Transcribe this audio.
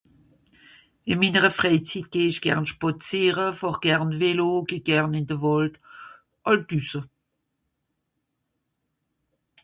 Ìn minere frèizitt geh ìch gern spàzìere, fàhr gern Vélo, geh gern ìn de Wàld, àll düsse